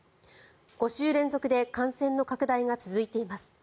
５週連続で感染の拡大が続いています。